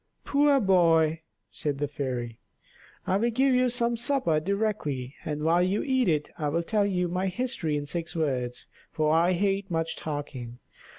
"Poor boy," said the fairy, "I will give you some supper directly; and while you eat it I will tell you my history in six words, for I hate much talking.